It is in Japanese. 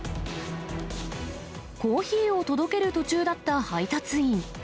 コーヒーを届ける途中だった配達員。